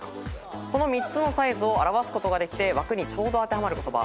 この３つのサイズを表すことができて枠にちょうど当てはまる言葉。